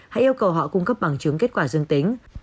hãy yêu cầu họ cung cấp bằng chứng kết quả dương tính